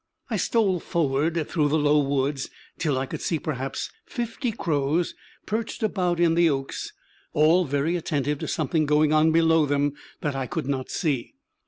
I stole forward through the low woods till I could see perhaps fifty crows perched about in the oaks, all very attentive to something going on below them that I could not see.